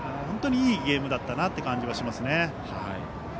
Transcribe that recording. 本当にいいゲームだったなという感じがしますね。